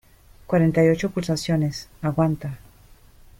cuarenta y ocho pulsaciones. aguanta .